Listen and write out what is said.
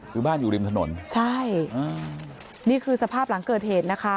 คือบ้านอยู่ริมถนนใช่นี่คือสภาพหลังเกิดเหตุนะคะ